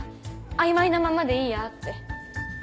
曖昧なままでいいやって。